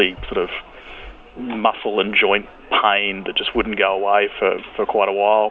tidak bisa berubah selama sepanjang waktu